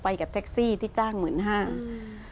ไปกับแท็กซี่ที่จ้าง๑๕๐๐๐บาท